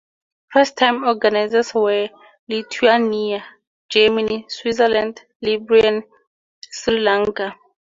First time organisers were Lithuania, Germany, Switzerland, Liberia and Sri Lanka.